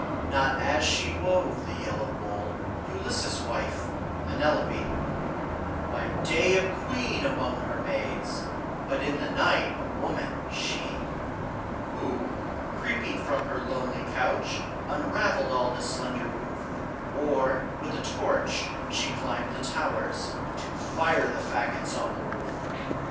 Not as she wove the yellow wool, Ulysses' wife, Penelope; By day a queen among her maids, But in the night a woman, she, Who, creeping from her lonely couch, Unraveled all the slender woof; Or, with a torch, she climbed the towers, To fire the fagots on the roof!